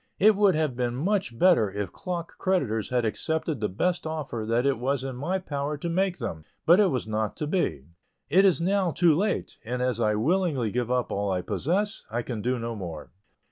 It would have been much better if clock creditors had accepted the best offer that it was in my power to make them; but it was not so to be. It is now too late, and as I willingly give up all I possess, I can do no more.